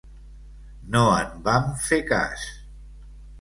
No en vam fer cas.